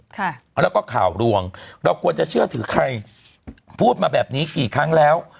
ค่ะแล้วก็ข่าวรวงเราควรจะเชื่อถือใครพูดมาแบบนี้กี่ครั้งแล้ว